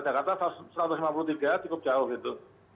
jakarta satu ratus lima puluh tiga cukup jauh gitu